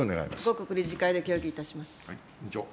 後刻理事会で協議いたします。